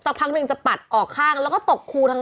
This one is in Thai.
ครั้งนึงจะปัดออกข้างแล้วตกคูทาง